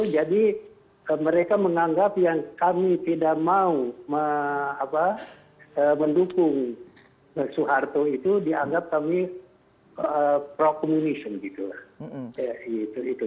jadi mereka menganggap yang kami tidak mau mendukung soeharto itu dianggap kami pro komunis gitu